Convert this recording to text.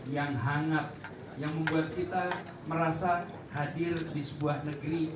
yang hangat yang membuat kita merasa hadir di sebuah negeri